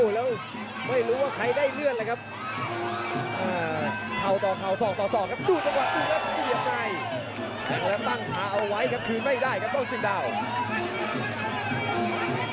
ต้องเชียบดาวถือเกี่ยวได้ตากล้างไม่ลงครับไม่ได้เจอที่ครับ